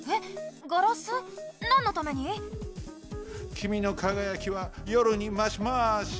きみのかがやきはよるにましまし！